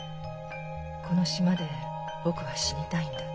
「この島で僕は死にたいんだ」